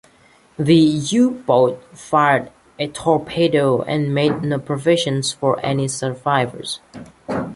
The U-Boat fired a torpedo and made no provision for any survivors.